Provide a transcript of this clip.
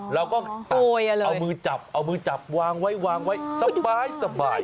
เราก็เอามือจับเอามือจับวางไว้วางไว้สบาย